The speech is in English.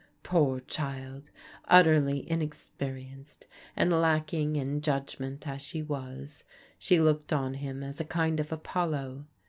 Poor child, utterly inexperienced, and lacking in judg ment as she was, she looked on him as a kind of Apollo.